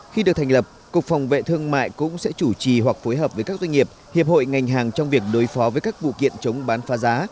khi được thành lập cục phòng vệ thương mại cũng sẽ chủ trì hoặc phối hợp với các doanh nghiệp hiệp hội ngành hàng trong việc đối phó với các vụ kiện chống bán phá giá